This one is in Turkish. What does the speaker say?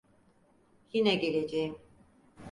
Yine geleceğim.